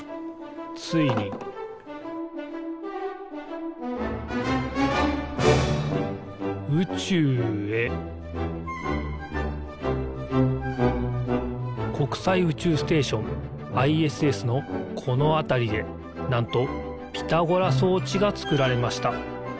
ついに宇宙へ国際宇宙ステーションＩＳＳのこのあたりでなんとピタゴラそうちがつくられました。